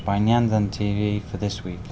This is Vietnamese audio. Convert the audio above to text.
tạm dừng tại đây